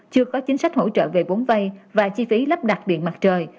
chưa có chính sách hỗ trợ về vốn vay và chi phí lắp đặt điện mặt trời